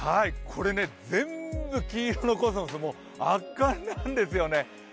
これ全部黄色のコスモス圧巻なんですよね。